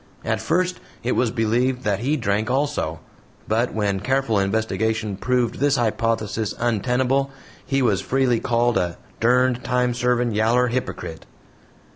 At first it was believed that he drank also, but when careful investigation proved this hypothesis untenable, he was freely called a "derned time servin', yaller hypocrite."